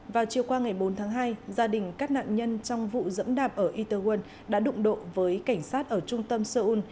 vào chiều qua ngày bốn tháng hai gia đình các nạn nhân trong vụ dẫm đạp ở ital won đã đụng độ với cảnh sát ở trung tâm seoul